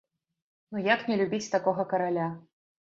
Ну як не любіць такога караля?!